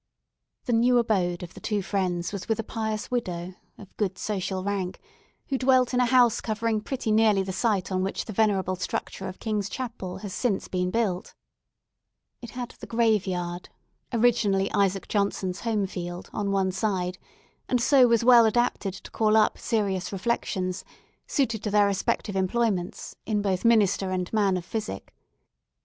The new abode of the two friends was with a pious widow, of good social rank, who dwelt in a house covering pretty nearly the site on which the venerable structure of King's Chapel has since been built. It had the graveyard, originally Isaac Johnson's home field, on one side, and so was well adapted to call up serious reflections, suited to their respective employments, in both minister and man of physic.